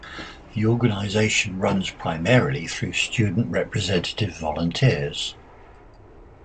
The organization runs primarily through student representative volunteers.